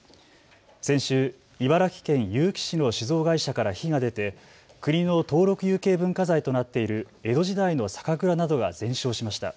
先週、茨城県結城市の酒造会社から火が出て国の登録有形文化財となっている江戸時代の酒蔵などが全焼しました。